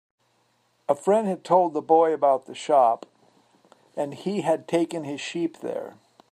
A friend had told the boy about the shop, and he had taken his sheep there.